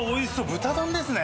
豚丼ですね。